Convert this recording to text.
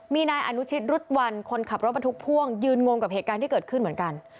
มีนายอนุชิตรุษวันคนขับรถบรรทุกพ่วงยืนงงกับเหตุการณ์ที่เกิดขึ้นเหมือนกัน